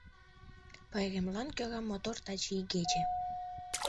Пайремлан кӧра мотор таче игече.